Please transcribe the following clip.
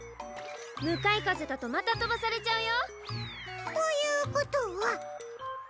むかいかぜだとまたとばされちゃうよ！ということは。